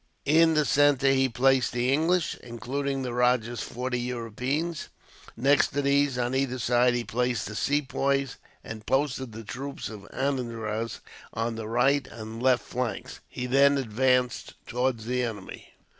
In the centre he placed the English, including the rajah's forty Europeans. Next to these, on either side, he placed his Sepoys, and posted the troops of Anandraz on the right and left flanks. He then advanced towards the enemy.